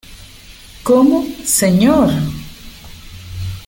¿ cómo, señor?